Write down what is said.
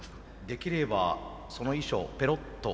できればその衣装ペロッと。